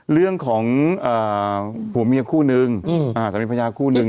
เรื่องของผัวเมียคู่นึงสามีภรรยาคู่นึง